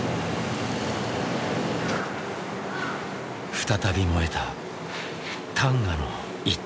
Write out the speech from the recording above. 再び燃えた旦過の一帯。